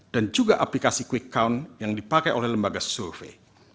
dan juga aplikasi quick count yang dipakai oleh lembaga survei